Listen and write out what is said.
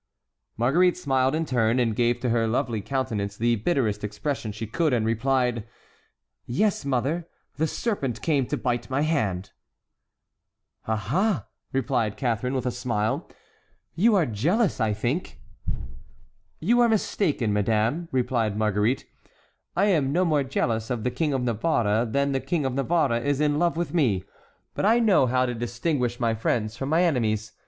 Marguerite smiled in turn, and gave to her lovely countenance the bitterest expression she could, and replied: "Yes, mother; the serpent came to bite my hand!" "Aha!" replied Catharine, with a smile; "you are jealous, I think!" "You are mistaken, madame," replied Marguerite; "I am no more jealous of the King of Navarre than the King of Navarre is in love with me, but I know how to distinguish my friends from my enemies.